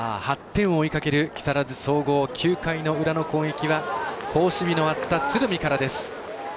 ８点を追いかける木更津総合、９回の裏の攻撃好守備のあった鶴見からです。